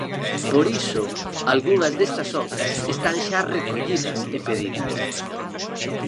Por iso, algunhas destas obras están xa recollidas e pedidas.